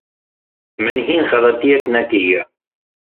Min hîn xeletiyek nekiriye.